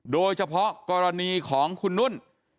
โดยเฉพาะกรณีของคุณนุ่น